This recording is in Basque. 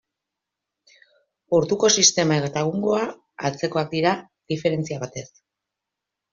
Orduko sistema eta egungoa antzekoak dira, diferentzia batez.